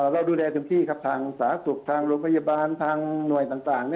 เราดูแลเต็มที่ครับทางสาธารณสุขทางโรงพยาบาลทางหน่วยต่าง